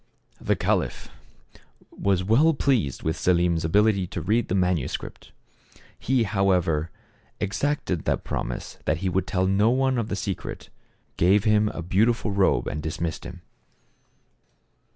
The caliph was well pleased with Selim's ability to read the manuscript. He however exacted the promise that he would tell no one of the secret, gave him a beautiful robe and dismissed him.